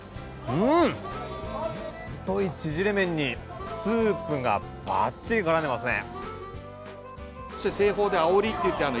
太いちぢれ麺にスープがばっちり絡んでいますね。